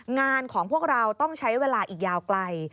งานของพวกเราต้องใช้เวลาอีกยาวไกล